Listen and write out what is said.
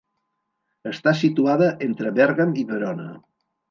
Està situada entre Bèrgam i Verona.